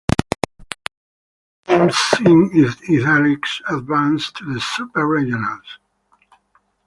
Teams in italics advanced to the Super Regionals.